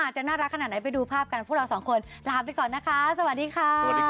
จะน่ารักขนาดไหนไปดูภาพกันพวกเราสองคนลาไปก่อนนะคะสวัสดีค่ะสวัสดีค่ะ